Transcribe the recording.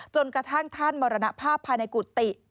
จนกระทั่งท่านมรณภาพภายในกุฏิ